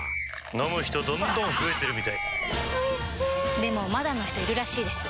飲む人どんどん増えてるみたいおいしでもまだの人いるらしいですよ